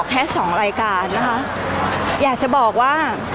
พี่ตอบได้แค่นี้จริงค่ะ